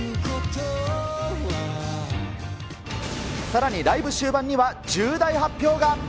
さらにライブ終盤には、重大発表が。